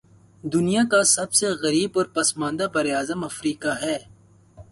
دنیا کا سب سے غریب اور پسماندہ براعظم افریقہ ہے